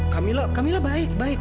kamila kamila baik baik